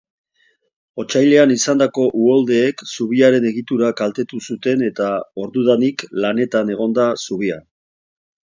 Otsailean izandako uholdeek zubiaren egitura kaltetu zuten eta ordudanik lanetan egon da zubia.